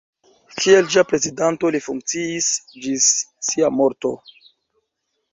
Kiel ĝia prezidanto li funkciis ĝis sia morto.